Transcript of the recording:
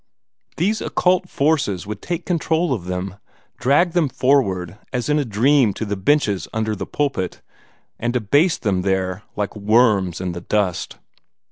These occult forces would take control of them, drag them forward as in a dream to the benches under the pulpit, and abase them there like worms in the dust.